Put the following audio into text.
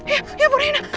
ya ampun rena